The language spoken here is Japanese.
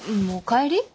もう帰り。